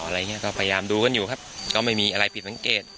อะไรอย่างนี้ก็พยายามดูกันอยู่ครับก็ไม่มีอะไรผิดสังเกต